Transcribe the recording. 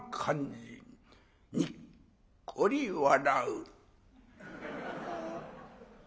にっこり笑う」。